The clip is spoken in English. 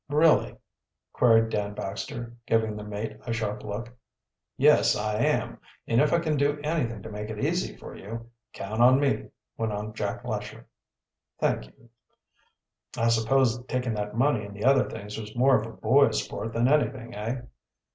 "Really?" queried Dan Baxter, giving the mate a sharp look. "Yes, I am, and if I can do anything to make it easy for you, count on me," went on Jack Lesher. "Thank you." "I suppose taking that money and the other things was more of boy's sport than anything, eh?"